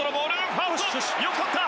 ファーストよく捕った！